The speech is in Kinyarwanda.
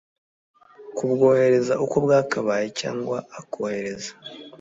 kubwohereza uko bwakabaye cyangwa akohereza